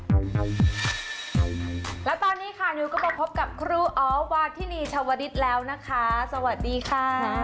แล้วตอนนี้ค่ะนิวก็มาพบกับครูอ๋อวาทินีชาวดิตแล้วนะคะสวัสดีค่ะ